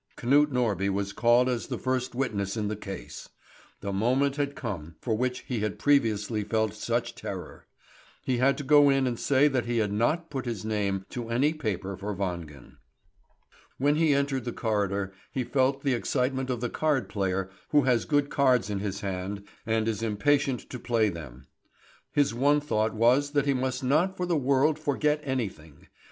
Knut Norby was called as the first witness in the case. The moment had come for which he had previously felt such terror. He had to go in and say that he had not put his name to any paper for Wangen. When he entered the corridor he felt the excitement of the card player who has good cards in his hand, and is impatient to play them. His one thought was that he must not for the world forget anything.